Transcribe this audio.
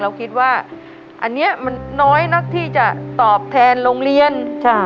เราคิดว่าอันนี้มันน้อยนักที่จะตอบแทนโรงเรียน